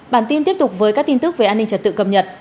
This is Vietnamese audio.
bản tin tiếp tục với các tin tức về an ninh trật tự cập nhật